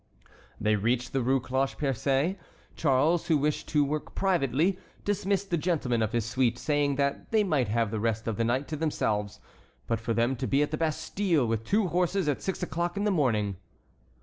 They reached the Rue Cloche Percée. Charles, who wished to work privately, dismissed the gentlemen of his suite, saying that they might have the rest of the night to themselves, but for them to be at the Bastille with two horses at six o'clock in the morning.